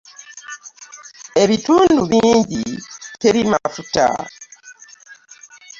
Ebitundu bingi teri mafuta.